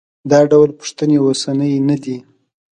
دا ډول پوښتنې اوسنۍ نه دي.